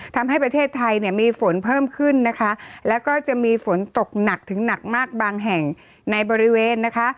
ทำให้ประเทศไทยเนี่ยมีฝนเพิ่มขึ้นนะคะแล้วก็จะมีฝนตกหนักถึงหนักมากบางแห่งในบริเวณนะคะ